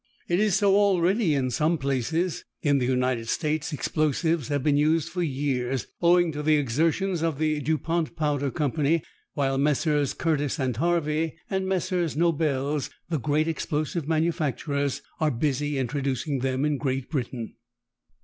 It is so already in some places. In the United States explosives have been used for years, owing to the exertions of the Du Pont Powder Company, while Messrs Curtiss' and Harvey, and Messrs Nobels, the great explosive manufacturers, are busy introducing them in Great Britain.